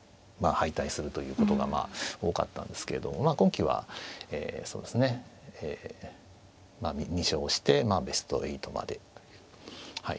敗退するということが多かったんですけど今期はそうですね２勝してまあベスト８まではい。